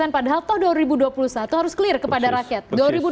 padahal toh dua ribu dua puluh satu harus clear kepada rakyat